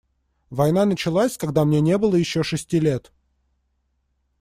Война началась, когда мне не было еще шести лет.